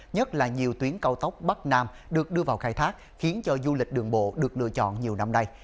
nhất là nhiều tuyến cao tốc bắc nam được đưa vào khai thác khiến cho du lịch đường bộ được lựa chọn nhiều năm nay